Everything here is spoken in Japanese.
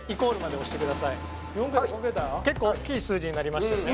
はい結構大きい数字になりましたよね